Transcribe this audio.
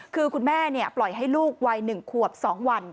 คือคุณแม่ปล่อยให้ลูกวัย๑ขวบ๒วัน